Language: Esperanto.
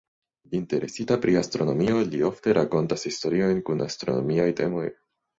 Interesita pri astronomio, li ofte rakontas historiojn kun astronomiaj temoj.